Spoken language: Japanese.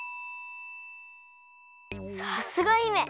さすが姫！